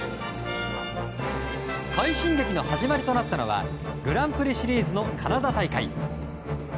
快進撃の始まりとなったのはグランプリシリーズのカナダ大会。